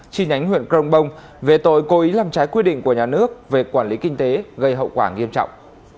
chi nhánh huyện crong bông về tội cố ý làm trái quy định của nhà nước về quản lý kinh tế gây hậu quả nghiêm trọng